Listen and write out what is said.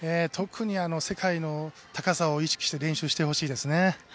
特に世界の高さを意識して練習してほしいです。